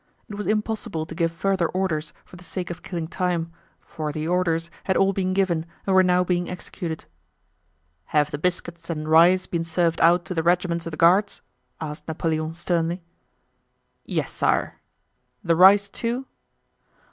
It was impossible to give further orders for the sake of killing time, for the orders had all been given and were now being executed. "Have the biscuits and rice been served out to the regiments of the Guards?" asked Napoleon sternly. "Yes, sire." "The rice too?"